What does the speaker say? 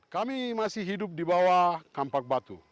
kami masih hidup di bawah kampak batu